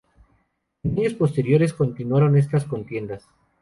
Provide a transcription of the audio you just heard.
En años posteriores continuaron estas contiendas.